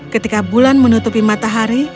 ketika bulan menutupi matahari